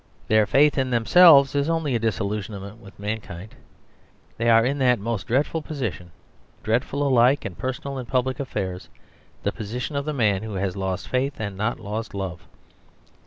Their faith in themselves is only a disillusionment with mankind. They are in that most dreadful position, dreadful alike in personal and public affairs the position of the man who has lost faith and not lost love.